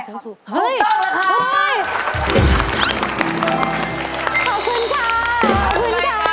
ขอขุนค่า